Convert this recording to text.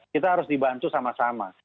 kita harus dibantu sama sama